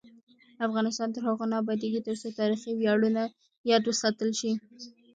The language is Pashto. افغانستان تر هغو نه ابادیږي، ترڅو تاریخي ویاړونه یاد وساتل شي.